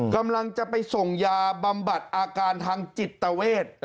กำลังจะไปส่งยาบำบัดอาการทางจิตเวท